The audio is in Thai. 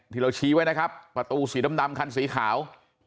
ที่เราชี้ไว้นะครับประตูสีดำคันสีขาว